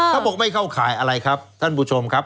เขาบอกไม่เข้าข่ายอะไรครับท่านผู้ชมครับ